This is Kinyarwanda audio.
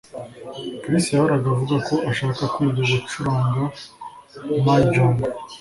Chris yahoraga avuga ko ashaka kwiga gucuranga mahjong